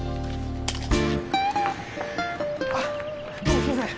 あっどうもすいません。